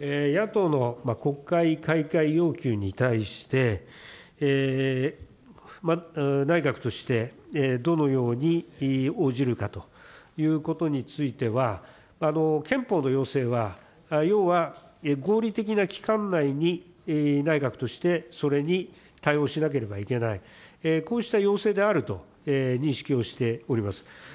野党の国会開会要求に対して、内閣としてどのように応じるかということについては、憲法の要請は、要は、合理的な期間内に内閣としてそれに対応しなければいけない、こうした要請であると認識をしております。